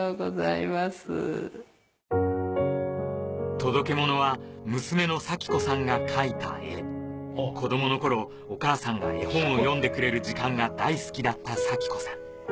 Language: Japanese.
届けものは娘の咲子さんが描いた絵子どもの頃お母さんが絵本を読んでくれる時間が大好きだった咲子さん。